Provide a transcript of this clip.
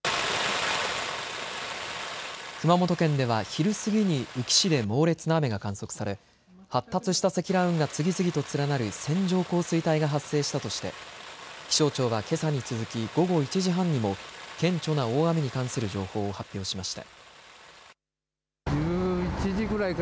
熊本県では昼過ぎに宇城市で猛烈な雨が観測され発達した積乱雲が次々と連なる線状降水帯が発生したとして気象庁はけさに続き午後１時半にも顕著な大雨に関する情報を発表しました。